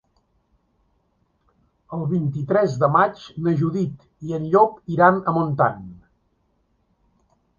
El vint-i-tres de maig na Judit i en Llop iran a Montant.